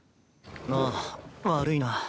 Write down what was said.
ああ悪いな。